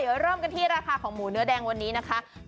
เดี๋ยวเริ่มกันที่ราคาของหมูเนื้อแดงวันนี้นะคะ